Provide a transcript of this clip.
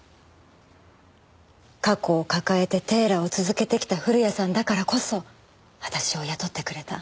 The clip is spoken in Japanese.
過去を抱えてテーラーを続けてきた古谷さんだからこそ私を雇ってくれた。